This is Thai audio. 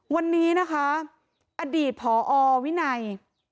วันนี้นะคะอดีตผอวินัย